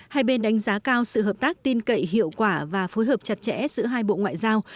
hai bên đánh giá cao sự hợp tác tin cậy hiệu quả và phối hợp chặt chẽ giữa hai bộ ngoại giao